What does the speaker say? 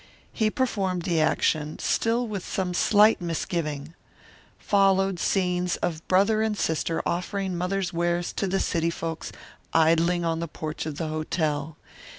He performed the action, still with some slight misgiving. Followed scenes of brother and sister offering Mother's wares to the city folks idling on the porch of the hotel.